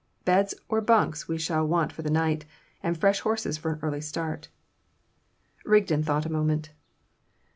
Beds or bunks we shall want for the night, and fresh horses for an early start." Rigden thought a moment.